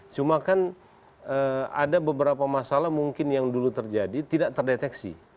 cuma kan ada beberapa masalah mungkin yang dulu terjadi tidak terdeteksi